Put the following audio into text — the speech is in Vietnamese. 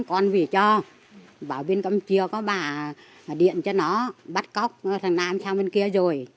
con vì cho bảo bên campuchia có bà điện cho nó bắt cóc nam sang bên kia rồi